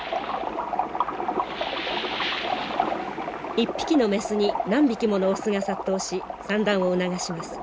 一匹のメスに何匹ものオスが殺到し産卵を促します。